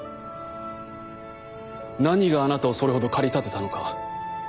何があなたをそれほど駆り立てたのか。